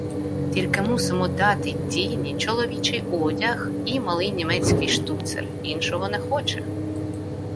Тільки мусимо дати Тіні чоловічий одяг і малий німецький штуцер — іншого не хоче.